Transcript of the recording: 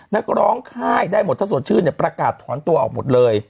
นักร้องค่ายได้หมดถ้าสดชื่นเนี่ยประกาศถอนตัวออกหมดเลย